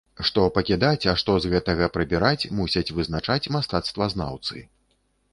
Што пакідаць, а што з гэтага прыбіраць, мусяць вызначаць мастацтвазнаўцы.